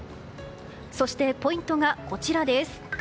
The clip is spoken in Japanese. そして、ポイントがこちらです。